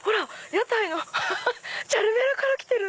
屋台のチャルメラからきてる。